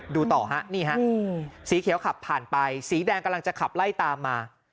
ดูต่อฮะนี่ฮะสีเขียวขับผ่านไปสีแดงกำลังจะขับไล่ตามมา